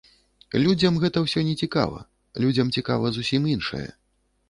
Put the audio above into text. Людзям гэта ўсё не цікава, людзям цікава зусім іншае.